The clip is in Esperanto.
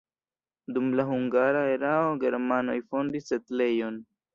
Dum la hungara erao germanoj fondis setlejon.